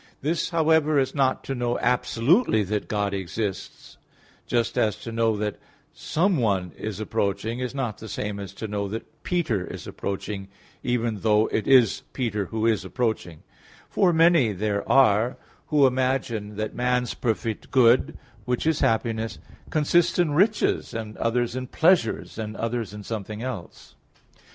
This, however, is not to know absolutely that God exists; just as to know that someone is approaching is not the same as to know that Peter is approaching, even though it is Peter who is approaching; for many there are who imagine that man's perfect good which is happiness, consists in riches, and others in pleasures, and others in something else.